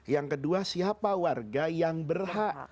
yang kedua siapa warga yang berhak